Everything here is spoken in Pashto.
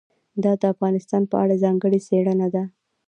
دا د افغانستان په اړه ځانګړې څېړنه ده.